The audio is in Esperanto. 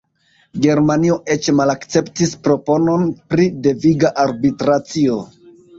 Germanio eĉ malakceptis proponon pri deviga arbitracio.